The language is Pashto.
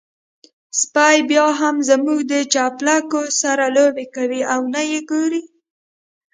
سپی بيا هم زموږ د چپلکو سره لوبې کوي او نه يې ورکوي.